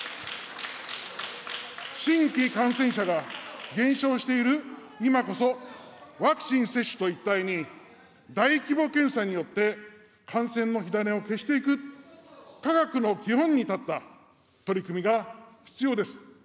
新規感染者が減少している今こそ、ワクチン接種と一体に、大規模検査によって感染の火種を消していく、科学の基本に立った取り組みが必要です。